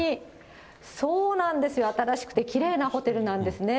そうなんですよ、新しくてきれいなホテルなんですね。